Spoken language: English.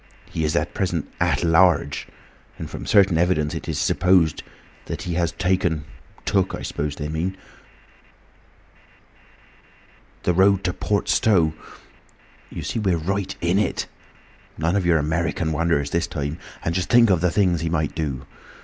He is at present At Large, and from certain evidence it is supposed that he has—taken—took, I suppose they mean—the road to Port Stowe. You see we're right in it! None of your American wonders, this time. And just think of the things he might do!